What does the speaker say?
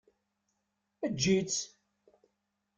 Eǧǧ-itt!